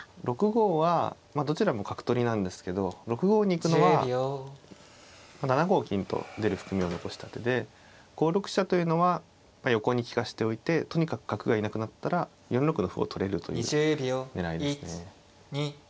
６五はどちらも角取りなんですけど６五に行くのは７五金と出る含みを残した手で５六飛車というのは横に利かしておいてとにかく角がいなくなったら４六の歩を取れるというような狙いですね。